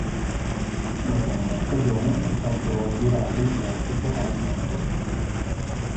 Dopo una stagione è stato girato in prestito al Santos.